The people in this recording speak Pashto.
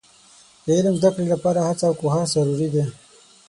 د علم د زده کړې لپاره هڅه او کوښښ ضروري دي.